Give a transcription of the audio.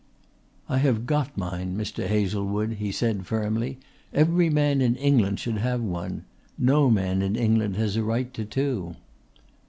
"I have got mine, Mr. Hazlewood," he said firmly. "Every man in England should have one. No man in England has a right to two."